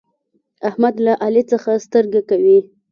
احمد له علي څخه سترګه کوي.